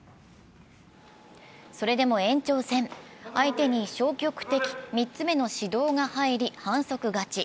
それでも延長戦、相手に消極的３つ目の指導が入り反則勝ち。